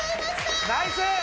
ナイス！